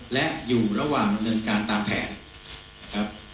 และอยู่ระหว่างดำเนินการตามแผนครับ